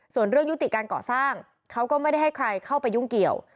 ส่วนเรื่องยุติการก่อสร้างเขาก็ไม่ได้ให้ใครเข้าไปยุ่งเกี่ยว